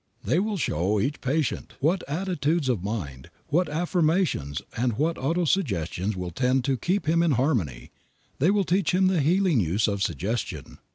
They will show each patient what attitudes of mind, what affirmations and what auto suggestions will tend to keep him in harmony; they will teach him the healing use of suggestion.